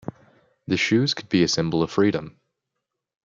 The shoes could be a symbol of freedom.